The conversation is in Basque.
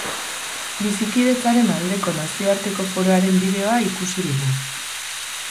Bizikidetzaren aldeko Nazioarteko Foroaren bideoa ikusi dugu.